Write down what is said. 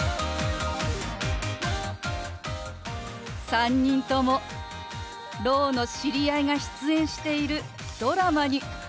３人ともろうの知り合いが出演しているドラマに夢中のようですね！